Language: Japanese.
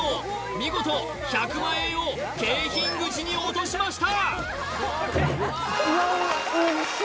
見事１００万円を景品口に落としました